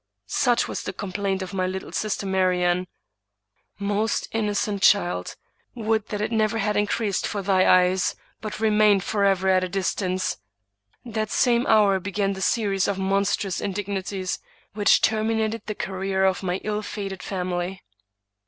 Such was the complaint of my little sister Mari iamne. Most innocent child 1 would that it never had in creased for thy eyes, but remained forever at a distance 1 *rhat same hour began the series of monstrous indignities which terminated the career of my ill fated family.